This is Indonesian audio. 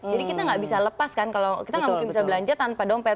jadi kita nggak bisa lepas kan kita nggak mungkin bisa belanja tanpa dompet